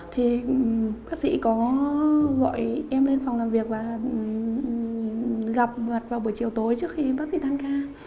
thì bác sĩ có gọi em lên phòng làm việc và gặp vật vào buổi chiều tối trước khi bác sĩ thăng ca